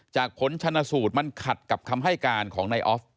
ผลชนสูตรมันขัดกับคำให้การของนายออฟ